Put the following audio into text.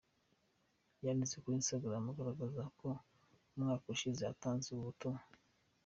Yanditse kuri instagram agaragaza ko umwaka ushize atanze ubu butumwa.